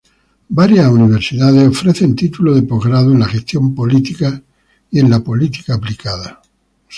Varias universidades ofrecen títulos de postgrado en la gestión política y la política aplicada.